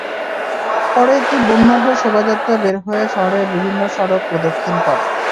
পরে একটি বর্ণাঢ্য শোভাযাত্রা বের হয়ে শহরের বিভিন্ন সড়ক প্রদক্ষিণ করে।